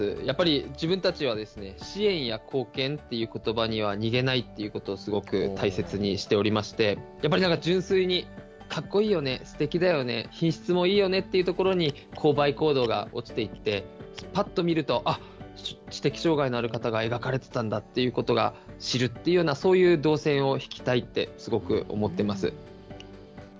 やっぱり自分たちは、支援や貢献ということばには逃げないっていうことを、すごく大切にしておりまして、やっぱりなんか純粋にかっこいいよね、すてきだよね、品質もいいよねっていうところに、購買行動がおちていって、ぱっと見ると、あっ、知的障害のある方が描かれてたんだということが、知るっていうような、そういう動線を引きたいって、すごく思ってます。